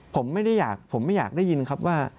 ผมไม่อยากได้ยินครับว่า